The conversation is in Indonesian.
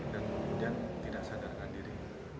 dan kemudian tidak sadar dengan diri